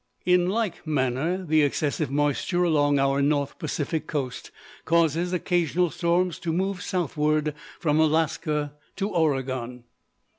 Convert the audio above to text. In like manner, the excessive moisture along our north Pacific coast causes occasional storms to move southward from Alaska to Oregon.